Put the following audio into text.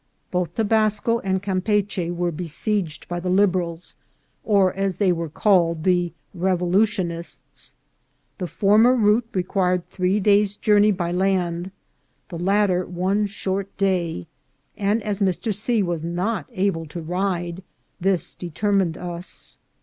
Both Tobasco and Campeachy were besieged by the Liberals, or, as they were called, the Revolutionists. The former route required three days' journey by land, the latter one short day ; and as Mr. C. was not able to ride, this determined us.